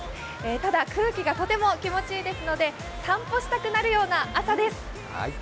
ただ、空気がとても気持ちいいですので、散歩したくなるような朝です。